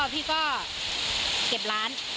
พี่ก็เก็บร้าน